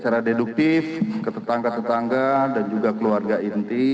secara deduktif ke tetangga tetangga dan juga keluarga inti